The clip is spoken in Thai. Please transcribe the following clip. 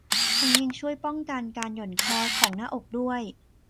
ทั้งยังช่วยป้องกันการหย่อนคล้อยของหน้าอกด้วย